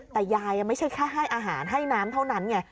แต่ยายไม่ใช่แค่ให้อาหารให้น้ำเท่านั้นไง